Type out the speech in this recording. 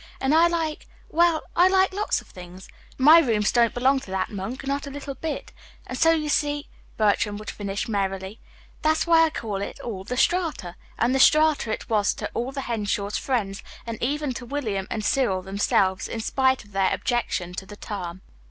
And I like well, I like lots of things. My rooms don't belong to that monk, not a little bit. And so you see," Bertram would finish merrily, "that's why I call it all 'The Strata.'" And "The Strata" it was to all the Henshaws' friends, and even to William and Cyril themselves, in spite of their objection to the term.